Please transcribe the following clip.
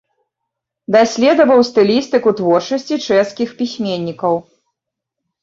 Даследаваў стылістыку творчасці чэшскіх пісьменнікаў.